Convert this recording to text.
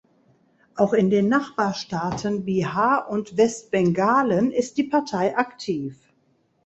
Auch in den Nachbarstaaten Bihar und Westbengalen ist die Partei aktiv.